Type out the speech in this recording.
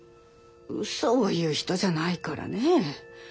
うそを言う人じゃないからね。